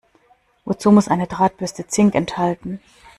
Wozu muss eine Drahtbürste Zink enthalten?